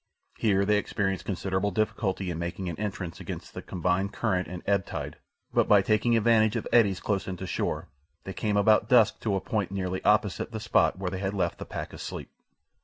Here they experienced considerable difficulty in making an entrance against the combined current and ebb tide, but by taking advantage of eddies close in to shore they came about dusk to a point nearly opposite the spot where they had left the pack asleep.